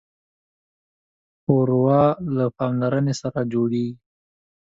ښوروا له پاملرنې سره جوړیږي.